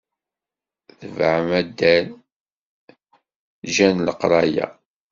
Tebεen addal, ǧǧan leqraya.